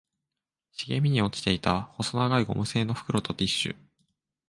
茂みに落ちていた細長いゴム製の袋とティッシュ